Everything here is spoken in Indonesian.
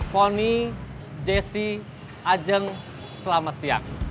poni jessy ajeng selamat siang